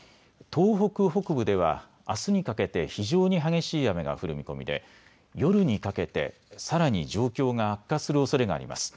東北北部では、あすにかけて非常に激しい雨が降る見込みで夜にかけてさらに状況が悪化するおそれがあります。